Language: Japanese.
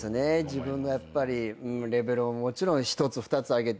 自分のレベルをもちろん１つ２つ上げて。